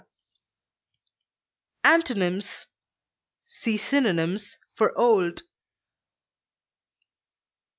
Antonyms: See synonyms for OLD.